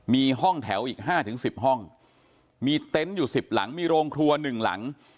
มีห้องแถวอีก๕๑๐ห้องมีเต็นต์อยู่๑๐หลังมีโรงครัว๑หลัง